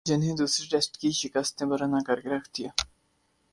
جنہیں دوسرے ٹیسٹ کی شکست نے برہنہ کر کے رکھ دیا